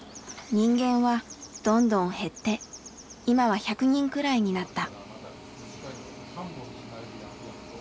人間はどんどん減って今は１００人くらいになった。